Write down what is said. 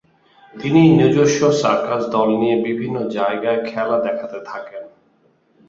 তিনি নিজস্ব সার্কাস দল নিয়ে বিভিন্ন জায়্গায় খেলা দেখাতে থাকেন।